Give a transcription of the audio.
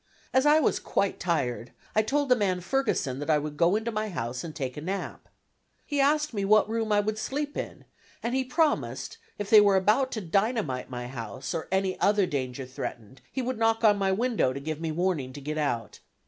As I was quite tired, I told the man Ferguson that I would go into my house and take a nap. He asked me what room I would sleep in, and he promised if they were about to dynamite my house, or any other danger threatened, he would knock on my window to give me warning to get out.